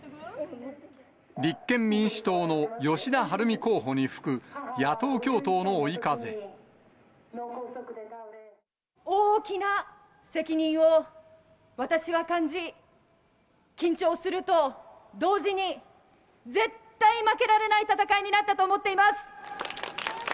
立憲民主党の吉田晴美候補に大きな責任を私は感じ、緊張すると同時に、絶対負けられない戦いになったと思っています。